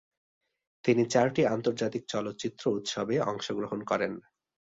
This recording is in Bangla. তিনি চারটি আন্তর্জাতিক চলচ্চিত্র উৎসবে অংশগ্রহণ করেন।